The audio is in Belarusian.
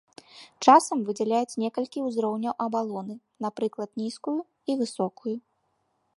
Часам выдзяляюць некалькі ўзроўняў абалоны, напрыклад нізкую і высокую.